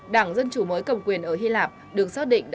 đảng dân chủ mới cầm quyền ở hy lạp được xác định